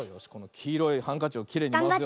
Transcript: きいろいハンカチをきれいにまわすよ。